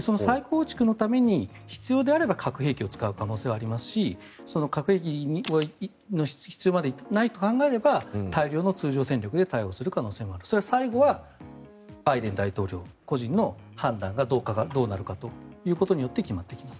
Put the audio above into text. その再構築のために必要であれば核兵器を使う可能性はありますし核兵器の必要がないと考えれば大量の通常戦力で対応する可能性があるそれは、最後はバイデン大統領個人の判断がどうなるかということによって決まってきます。